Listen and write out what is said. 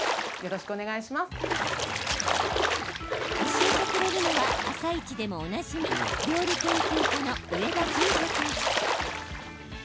教えてくれるのは「あさイチ」でもおなじみ料理研究家の上田淳子さん。